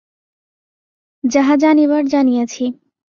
যাহা জানিবার জানিয়াছি।